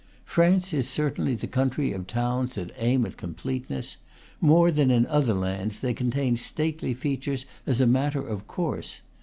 France is certainly the country of towns that aim at completeness; more than in other lands, they contain stately features as a matter of course.